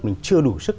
mình chưa đủ sức